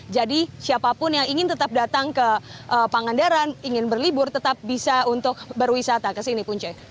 jadi siapapun yang ingin tetap datang ke pangandaran ingin berlibur tetap bisa untuk berwisata ke sini punca